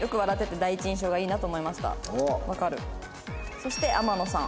そして天野さん。